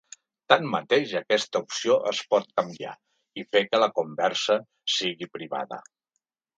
Tanmateix, aquesta opció es pot canviar i fer que la conversa sigui privada.